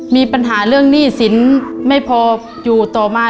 มีปัญหาเรื่องหนี้สินไม่พออยู่ต่อมา